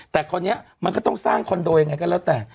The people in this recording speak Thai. แต่คนนี้มันก็ต้องสร้างคอนโดยังไงก็แล้วแต่